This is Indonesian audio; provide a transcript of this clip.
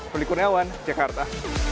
pelikun ewan jakarta